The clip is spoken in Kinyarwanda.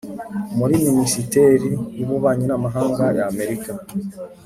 muri minisiteri y'ububanyi n'amahanga y'amerika,